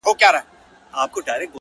• نو دا په ما باندي چا كوډي كړي ـ